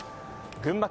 群馬県